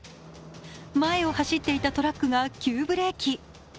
前を走っていたトラックが急ブレーキ。